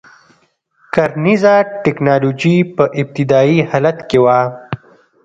کرنیزه ټکنالوژي په ابتدايي حالت کې وه.